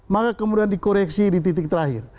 maka kemudian dikoreksi di titik terakhir